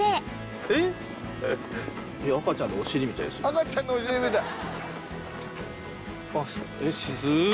赤ちゃんのおしりみたい？